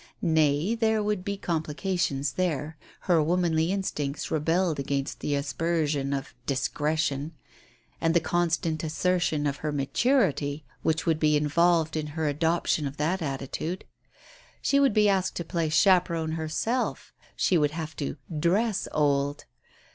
Nay, there would be complications there ; her womanly instincts rebelled against the aspersion of " dis cretion " and the constant assertion of her maturity which would be involved in her adoption of that attitude. She would be asked to play chaperon herself, she would have to "dress old."